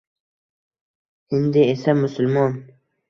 Hindni esa musulmon.